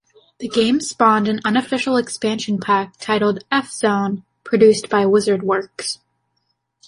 The game spawned an unofficial expansion pack titled "F!Zone", produced by WizardWorks.